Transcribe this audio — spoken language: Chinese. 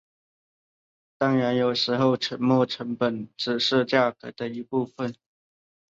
当然有时候沉没成本只是价格的一部分。